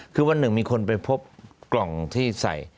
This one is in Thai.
คือวันหนึ่งมีคนไปพบกล่องที่ใส่